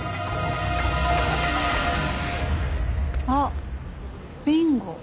あっビンゴ。